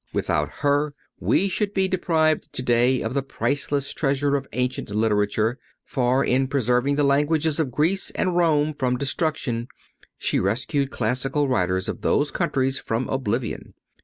Without her we should be deprived to day of the priceless treasures of ancient literature; for, in preserving the languages of Greece and Rome from destruction, she rescued classical writers of those countries from oblivion.